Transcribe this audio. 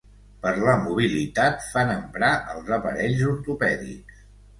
Per la mobilitat fan emprar els aparells ortopèdics.